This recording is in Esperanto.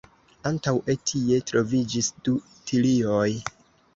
Antaŭe tie troviĝis du tilioj.